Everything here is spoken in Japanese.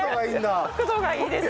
角度がいいです。